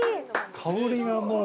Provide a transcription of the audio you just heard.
香りがもう。